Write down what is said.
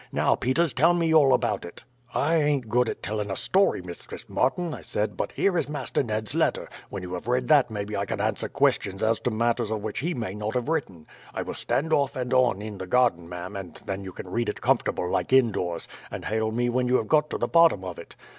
Now, Peters, tell me all about it.' "'I ain't good at telling a story, Mistress Martin,' I said; 'but here is Master Ned's letter. When you have read that maybe I can answer questions as to matters of which he may not have written. I will stand off and on in the garden, ma'am, and then you can read it comfortable like indoors, and hail me when you have got to the bottom of it.'